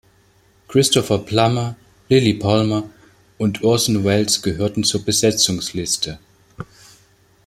Christopher Plummer, Lilli Palmer und Orson Welles gehörten zur Besetzungsliste.